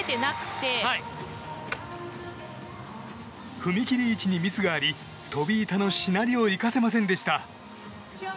踏み切り位置にミスがあり飛び板のしなりを生かせませんでした。